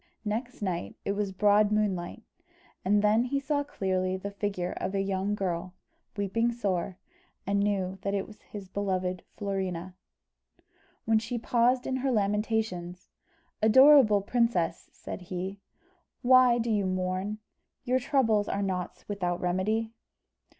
Next night, it was broad moonlight, and then he saw clearly the figure of a young girl, weeping sore, and knew that it was his beloved Florina. When she paused in her lamentations, "Adorable princess," said he, "why do you mourn? Your troubles are not without remedy."